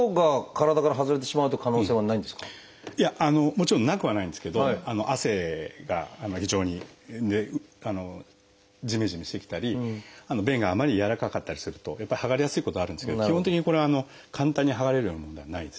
もちろんなくはないんですけど汗が非常にじめじめしてきたり便があまりに軟らかかったりするとやっぱはがれやすいことあるんですけど基本的にこれは簡単にはがれるようなものではないんですね。